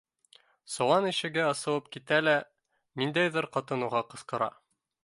Солан ишеге асылып китә лә ниндәйҙер ҡатын уға ҡысҡыра: